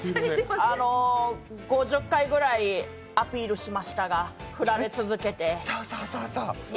あの５０回ぐらいアピールしましたが振られ続けて。